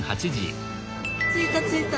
着いた着いた。